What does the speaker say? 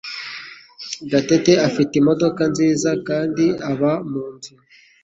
Gatete afite imodoka nziza kandi aba munzu